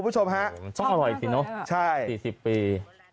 ช้ออร่อยสิเนอะ๔๐ปี